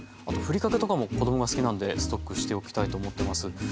あとふりかけとかも子供が好きなんでストックしておきたいと思ってます。